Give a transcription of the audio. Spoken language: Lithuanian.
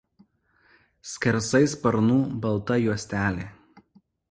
Skersai sparnų balta juostelė.